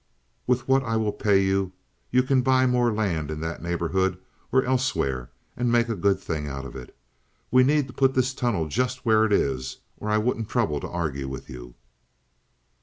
With what I will pay you you can buy more land in that neighborhood or elsewhere, and make a good thing out of it. We need to put this tunnel just where it is, or I wouldn't trouble to argue with you.